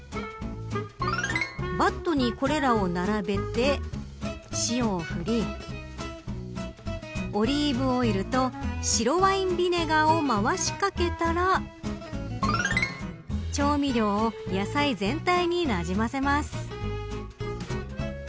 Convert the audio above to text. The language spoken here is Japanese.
バットにこれらを並べて塩を振りオリーブオイルと白ワインビネガーをまわしかけたら調味料を野菜全体になじませます。